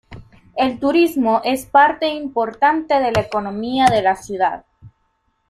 El turismo es parte importante de la economía de la ciudad.